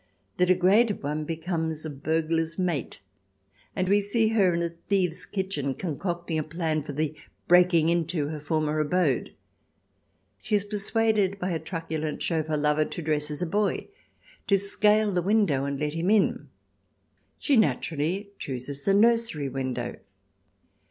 The degraded one becomes a burglar's mate, and we see her in a thieves' kitchen concocting a plan for the breaking into her former abode. She is persuaded by her truculent chauffeur lover to dress as a boy, to scale the window and let him in. She naturally chooses the nursery window.